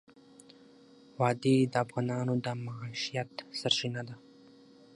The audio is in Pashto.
وادي د افغانانو د معیشت سرچینه ده.